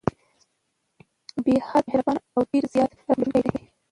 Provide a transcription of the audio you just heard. بې حده مهربان او ډير زيات رحم لرونکی دی